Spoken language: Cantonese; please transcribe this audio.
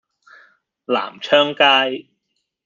南昌街